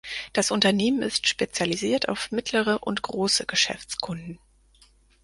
Das Unternehmen ist spezialisiert auf mittlere und große Geschäftskunden.